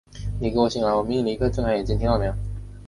你给我醒来！我命令你立刻给我睁开眼睛，听到了没有！